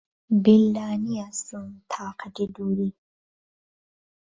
بیللا نیەسم تاقەتی دووری